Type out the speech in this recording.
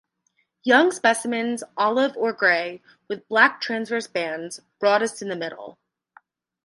Young specimens olive or grey with black transverse bands, broadest in the middle.